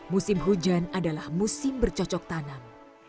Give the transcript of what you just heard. musim hujan adalah musim bercocok tanam